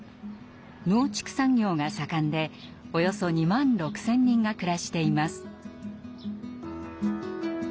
農畜産業が盛んでおよそ２万６，０００人が暮らしています。